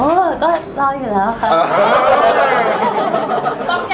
เออก็รออยู่แล้วค่ะ